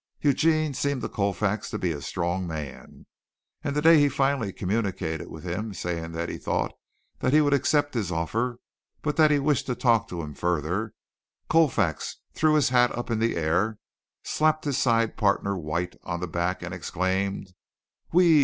Eugene seemed to Colfax to be a strong man, and the day he finally communicated with him saying that he thought that he would accept his offer but that he wished to talk to him further, Colfax threw his hat up in the air, slapped his side partner White on the back, and exclaimed: "Whee!